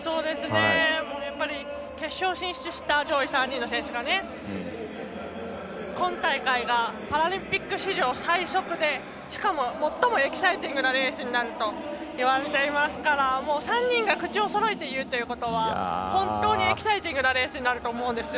やっぱり、決勝進出した上位３人の選手が今大会がパラリンピック史上最速でしかも、最もエキサイティングなレースになるといわれていますから、３人が口をそろえて言うということは本当にエキサイティングなレースになると思うんですよ。